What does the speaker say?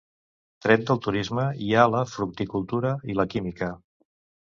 Tret del turisme, hi ha la fructicultura i la química.